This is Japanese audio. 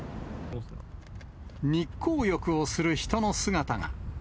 日光浴をする人の姿が。